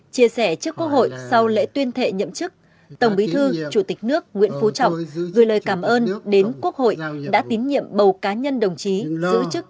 chia sẻ trước quốc hội sau lễ tuyên thệ nhậm chức tổng bí thư chủ tịch nước nguyễn phú trọng gửi lời cảm ơn đến quốc hội đã tín nhiệm bầu cá nhân đồng chí giữ chức